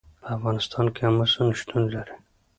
په افغانستان کې آمو سیند شتون لري.